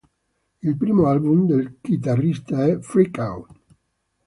Il primo album del chitarrista è "Freak Out!